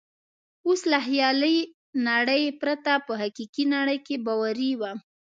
اوس له خیالي نړۍ پرته په حقیقي نړۍ کې باوري وم.